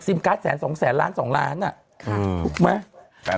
ซิมการ์ด๒๐๐๐บาท๒๐๐๐ล้านบาทถูกไหม